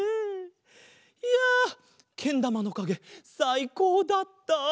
いやけんだまのかげさいこうだった。